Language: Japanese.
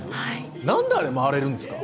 なんであれ回れるんですか？